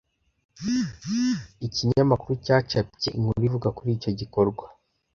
Ikinyamakuru cyacapye inkuru ivuga kuri icyo gikorwa.